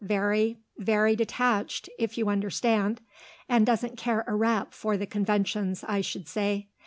Very very detached, if you understand; and doesn't care a rap for the conventions, I should say.